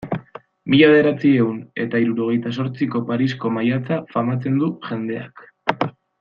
Mila bederatziehun eta hirurogeita zortziko Parisko maiatza famatzen du jendeak.